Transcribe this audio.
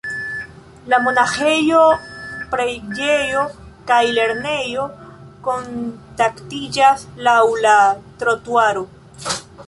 La monaĥejo, preĝejo kaj lernejo kontaktiĝas laŭ la trotuaro.